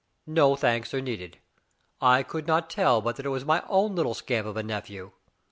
"No thanks are needed. I could not tell but that it was my own little scamp of a nephew.